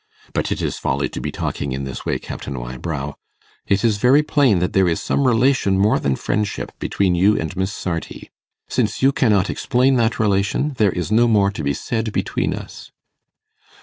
But it is folly to be talking in this way, Captain Wybrow. It is very plain that there is some relation more than friendship between you and Miss Sarti. Since you cannot explain that relation, there is no more to be said between us.